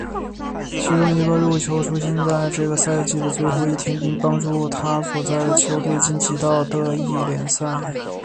其中一个入球出现在这个赛季的最后一天并帮助他所在的球队晋级到德乙联赛。